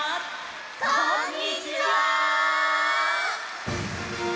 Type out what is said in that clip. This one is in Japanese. こんにちは！